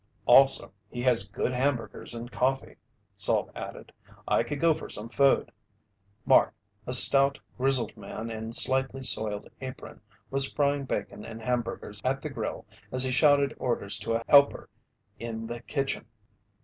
"Also, he has good hamburgers and coffee," Salt added. "I could go for some food!" Mark, a stout, grizzled man in slightly soiled apron, was frying bacon and hamburgers at the grill as he shouted orders to a helper in the kitchen.